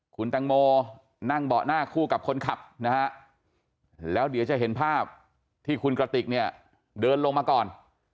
คุณตังโมนั่งเบาะหน้าคู่กับคนขับนะฮะแล้วเดี๋ยวจะเห็นภาพที่คุณกระติกเนี่ยเดินลงมาก่อน